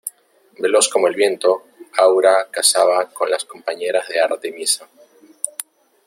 Veloz como el viento, Aura cazaba con las compañeras de Artemisa.